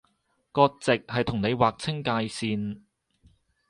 割蓆係同你劃清界線